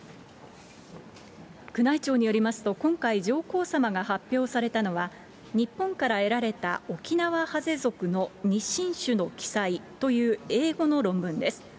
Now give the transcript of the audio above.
宮内庁によりますと、今回上皇さまが発表されたのは、日本から得られたオキナワハゼ族の２新種の記載という英語の論文です。